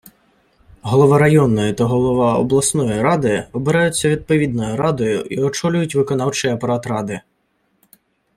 Голова районної та голова обласної ради обираються відповідною радою і очолюють виконавчий апарат ради